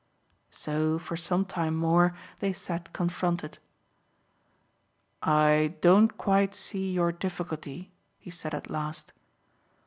So, for some time more, they sat confronted. "I don't quite see your difficulty," he said at last.